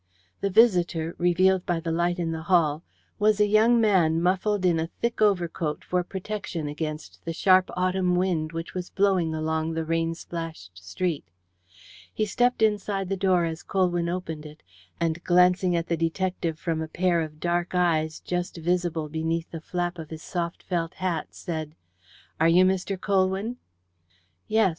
The visitor, revealed by the light in the hall, was a young man muffled in a thick overcoat for protection against the sharp autumn wind which was blowing along the rain splashed street. He stepped inside the door as Colwyn opened it, and, glancing at the detective from a pair of dark eyes just visible beneath the flap of his soft felt hat, said: "Are you Mr. Colwyn?" "Yes.